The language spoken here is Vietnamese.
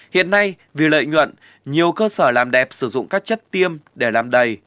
hiện nay vì lợi nhuận nhiều cơ sở làm đẹp sử dụng các chất tiêm để làm đầy